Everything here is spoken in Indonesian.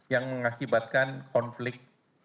yang mengakibatkan konflik